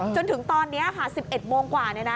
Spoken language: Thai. จนถึงตอนนี้ค่ะ๑๑โมงกว่า